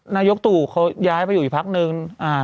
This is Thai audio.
นายกตู่เขาย้ายไปอยู่อีกพักนึง